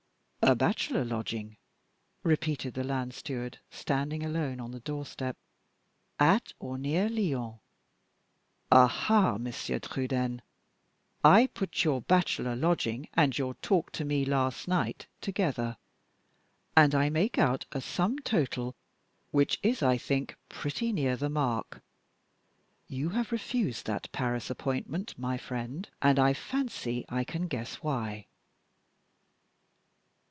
"A bachelor lodging!" repeated the land steward, standing alone on the doorstep. "At or near Lyons! Aha! Monsieur Trudaine, I put your bachelor lodging and your talk to me last night together, and I make out a sum total which is, I think, pretty near the mark. You have refused that Paris appointment, my friend; and I fancy I can guess why."